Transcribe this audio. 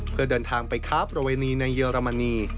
เพื่อเดินทางไปค้าประเวณีในเยอรมนี